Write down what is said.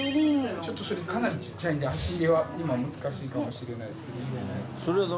ちょっとそれかなりちっちゃいんで足入れは今難しいかもしれないですけど。